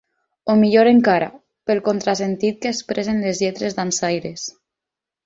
O millor encara, pel contrasentit que expressen les lletres dansaires.